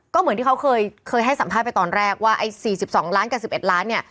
ก็เหมือนที่เขาเคยให้สัมภาษณ์ไปตอนแรกว่าไอ้๔๒ล้านกับ๑๑ล้านเนี่ย